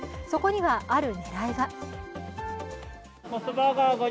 そこには、ある狙いが。